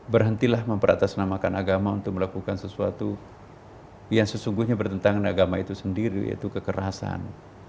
berhentilah memperatasnamakan agama untuk melakukan sesuatu yang sesungguhnya bertentangan agama itu sendiri yaitu kekerasan